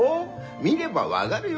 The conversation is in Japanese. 見れば分がるよ